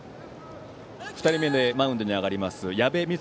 ２人目でマウンドに上がる矢部充